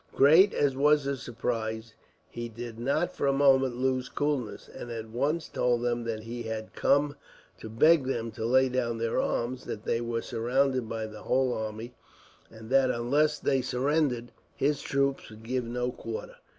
Great as was his surprise, he did not for a moment lose coolness, and at once told them that he had come to beg them to lay down their arms, that they were surrounded by his whole army, and that, unless they surrendered, his troops would give no quarter.